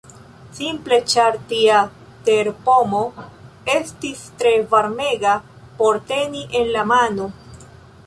Simple ĉar tia terpomo estis tro varmega por teni en la mano!